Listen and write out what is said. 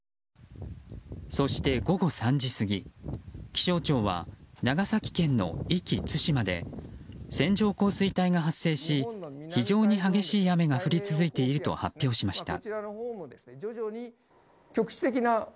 そして、午後３時過ぎ気象庁は長崎県の壱岐・対馬で線状降水帯が発生し非常に激しい雨が降り続いていると発表しました。